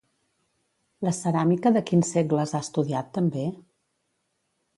La ceràmica de quins segles ha estudiat també?